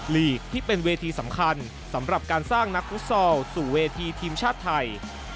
ลีกที่เป็นเวทีสำคัญสำหรับการสร้างนักฟุตซอลสู่เวทีทีมชาติไทย